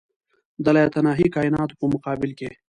د لایتناهي کایناتو په مقابل کې.